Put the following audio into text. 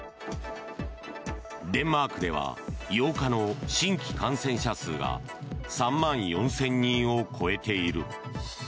デンマークでは８日の新規感染者数が３万４０００人を超えている。